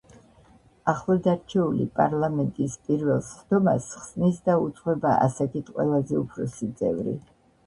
ახლადარჩეული პარლამენტის პირველ სხდომას ხსნის და უძღვება ასაკით ყველაზე უფროსი წევრი.